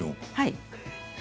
はい。